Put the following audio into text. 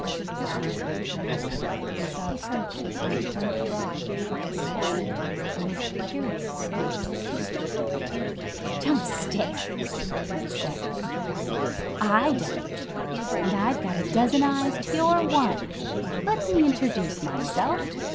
John looked around, and saw perched upon a point of rock beside the path a most curious looking creature. "Don't stare!" it said, with a laugh. "I don't, and I've got a dozen eyes to your one. Let me introduce myself.